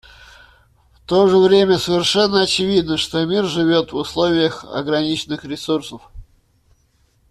В то же время совершенно очевидно, что мир живет в условиях ограниченных ресурсов.